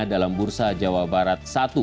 dalam bursa jawa barat satu